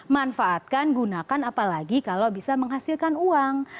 manfaatkan gunakan apalagi kalau bisa menghasilkan uang